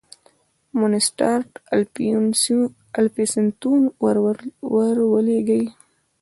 مونسټارټ الفینستون ور ولېږی.